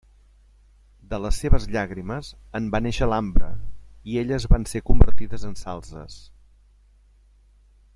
De les seves llàgrimes en va néixer l'ambre, i elles van ser convertides en salzes.